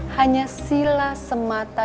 hanya sila semata